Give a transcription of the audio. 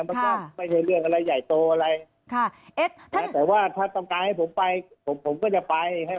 มันก็ไม่ใช่เรื่องอะไรใหญ่โตอะไรแต่ว่าถ้าต้องการให้ผมไปผมผมก็จะไปให้